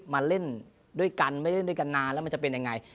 มาเล่นด้วยกันไม่เล่นด้วยกันนานแล้วมันจะเป็นยังไง